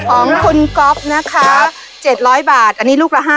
ของคุณก๊อฟนะคะ๗๐๐บาทอันนี้ลูกละ๕๐